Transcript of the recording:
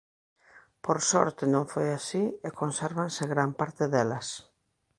Por sorte non foi así e consérvanse gran parte delas.